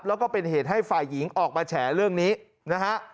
แล้วก็เป็นเหตุให้ฝ่ายหญิงออกมาแฉเรื่องนี้นะฮะ